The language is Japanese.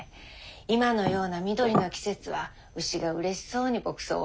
今のような緑の季節は牛がうれしそうに牧草をよく食べるんですよ。